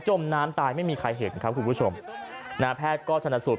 มน้ำตายไม่มีใครเห็นครับคุณผู้ชมนะแพทย์ก็ชนะสูตร